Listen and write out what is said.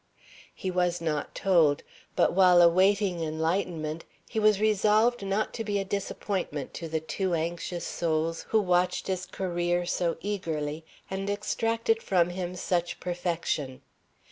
He was not told, but while awaiting enlightenment he was resolved not to be a disappointment to the two anxious souls who watched his career so eagerly and exacted from him such perfection.